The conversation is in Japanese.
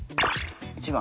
１番。